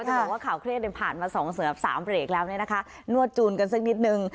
จะบอกว่าข่าวเครียดผ่านมา๒เสือบ๓เบรกแล้วเนี่ยนะคะนวดจูนกันสักนิดนึง